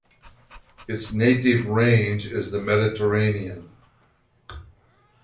Its native range is the Mediterranean.